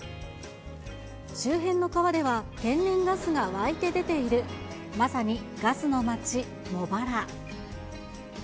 周辺の川では、天然ガスが湧いて出ている、まさにガスの町、茂原。